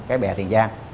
cái bè tiền giang